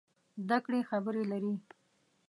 زده کړې خبرې لري.